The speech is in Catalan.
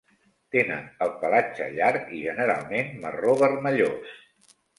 Tenen el pelatge llarg i generalment marró vermellós.